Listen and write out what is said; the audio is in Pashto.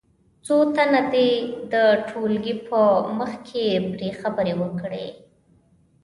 څو تنه دې د ټولګي په مخ کې پرې خبرې وکړي.